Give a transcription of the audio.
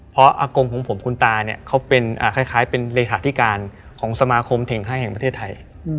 เพราะอากงของผมคุณตาเนี่ยเขาเป็นคล้ายเป็นเลขาธิการของสมาคมเท่งให้แห่งประเทศไทย